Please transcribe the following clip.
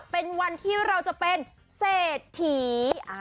เป็นวันที่เราจะเป็นเศรษฐี